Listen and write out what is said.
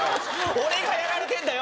俺がやられてんだよ